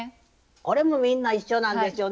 これもみんな一緒なんですよね？